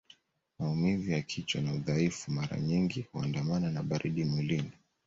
Maumivu ya kichwa na udhaifu mara nyingi huandamana na baridi mwilini